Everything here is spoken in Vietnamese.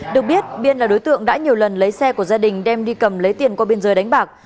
được biết biên là đối tượng đã nhiều lần lấy xe của gia đình đem đi cầm lấy tiền qua biên giới đánh bạc